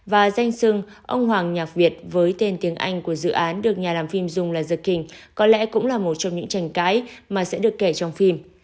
và danh sưng ông hoàng nhạc việt với tên tiếng anh của dự án được nhà làm phim dùng là theking có lẽ cũng là một trong những tranh cãi mà sẽ được kể trong phim